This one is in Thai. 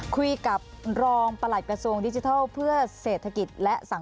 คุยกับรองประหลัดกระทรวงดิจิทัล